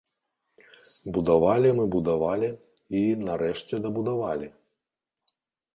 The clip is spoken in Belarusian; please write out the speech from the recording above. Будавалі мы будавалі, і, нарэшце дабудавалі.